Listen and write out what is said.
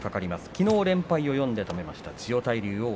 きのう連敗を４で止めました。